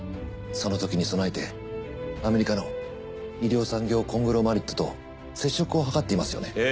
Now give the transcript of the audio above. その時に備えてアメリカの医療産業コングロマリットと接触をはかっていますよね？